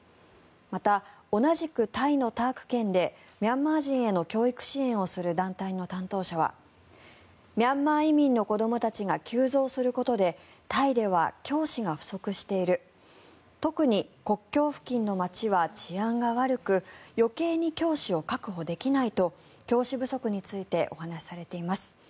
また同じくタイのターク県でミャンマー移民への教育支援をする団体の担当者はミャンマー移民の子どもたちが急増することでタイでは教師が不足している特に国境付近の街は治安が悪く余計に教師を確保できないと教師不足についてお話しされています。